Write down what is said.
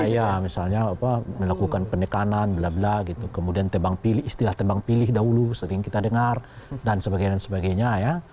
ya misalnya melakukan penekanan bla bla gitu kemudian istilah tebang pilih dahulu sering kita dengar dan sebagainya ya